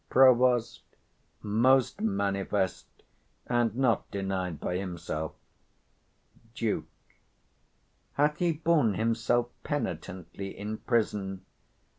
Prov. Most manifest, and not denied by himself. Duke. Hath he borne himself penitently in prison?